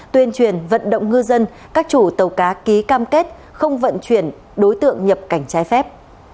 tuyên truyền vận động ngư dân các chủ tàu cá ký cam kết không vận chuyển đối tượng nhập cảnh trái phép